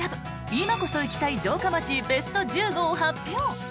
今こそ行きたい城下町ベスト１５を発表！